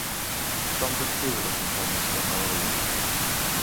Com descriu les muntanyes que anava veient?